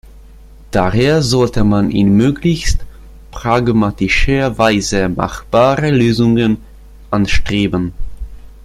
Daher sollte man in möglichst pragmatischer Weise machbare Lösungen anstreben.